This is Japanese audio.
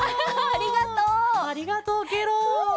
ありがとうケロ。